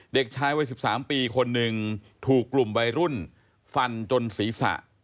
เด็กชายวัย๑๓ปีคนหนึ่งถูกกลุ่มวัยรุ่นฟันจนศีรษะ